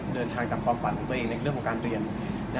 เดินทางจากความฝันของตัวเองในเรื่องของการเรียน